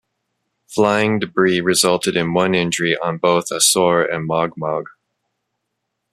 Flying debris resulted in one injury on both Asor and Mogmog.